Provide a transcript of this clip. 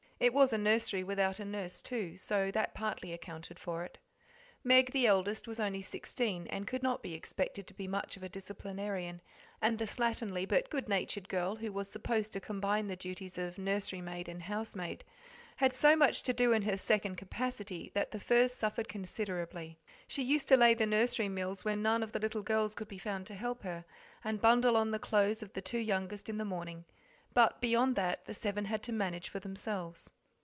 It was a nursery without a nurse, too, so that partly accounted for it. Meg, the eldest, was only sixteen, and could not be expected to be much of a disciplinarian, and the slatternly but good natured girl, who was supposed to combine the duties of nursery maid and housemaid, had so much to do in her second capacity that the first suffered considerably. She used to lay the nursery meals when none of the little girls could be found to help her, and bundle on the clothes of the two youngest in the morning, but beyond that the seven had to manage for themselves.